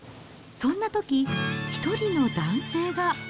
そんなとき、１人の男性が。